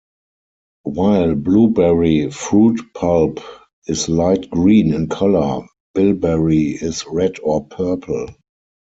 While blueberry fruit pulp is light green in color, bilberry is red or purple.